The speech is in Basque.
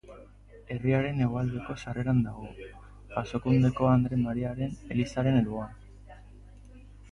Herriaren hegoaldeko sarreran dago, Jasokundeko Andre Mariaren elizaren alboan.